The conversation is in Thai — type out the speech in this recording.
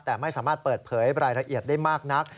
แต่ไม่สามารถเปิดเผยรายละเอียดได้มากนัก